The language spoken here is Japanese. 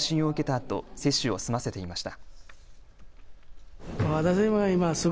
あと接種を済ませていました。